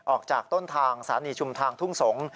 ออกจากต้นทางสถานีชุมทางทุ่งสงศ์